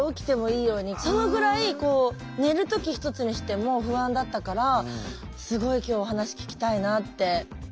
そのぐらい寝る時ひとつにしても不安だったからすごい今日お話聞きたいなって。